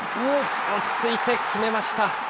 落ち着いて決めました。